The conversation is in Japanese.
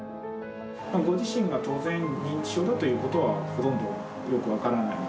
ご自身が当然、認知症だということは、それは多くは分からない。